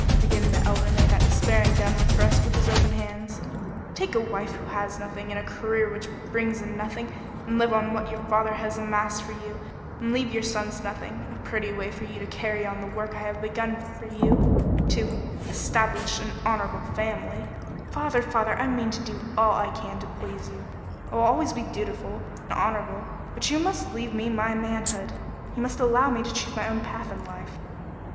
Again the Elder made that despairing downward thrust with his open hands. "Take a wife who has nothing, and a career which brings in nothing, and live on what your father has amassed for you, and leave your sons nothing a pretty way for you to carry on the work I have begun for you to establish an honorable family " "Father, father, I mean to do all I can to please you. I'll be always dutiful and honorable but you must leave me my manhood. You must allow me to choose my own path in life."